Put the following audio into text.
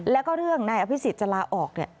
แล้วก็เรื่องในอภิษฎจะลาออกเนี่ย